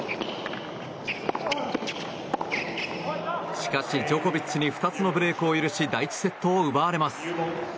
しかし、ジョコビッチに２つのブレークを許し第１セットを奪われます。